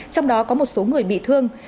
trong đó có một số người bị thương